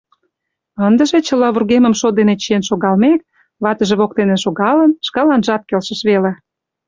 Ындыже, чыла вургемым шот дене чиен шогалмек, ватыже воктене шогалын, шкаланжат келшыш веле.